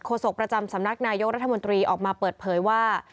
โศกประจำสำนักนายกรัฐมนตรีออกมาเปิดเผยว่า